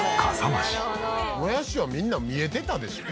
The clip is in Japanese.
もやしはみんな見えてたでしょ？